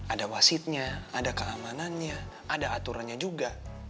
ada wasitnya ada keamanannya ada aturannya juga